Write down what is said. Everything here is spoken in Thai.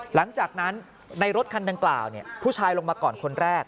หลังจากนั้นในรถคันดังกล่าวผู้ชายลงมาก่อนคนแรก